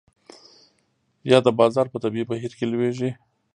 یا د بازار په طبیعي بهیر کې لویږي.